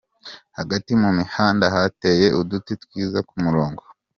Hagati mu mihanda hateye uduti twiza ku murongo.